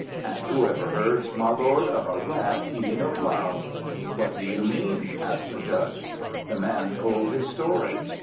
"And who ever heard, my lord, of a rat eating a plough?" "What do you mean?" asked the judge. The man told his story.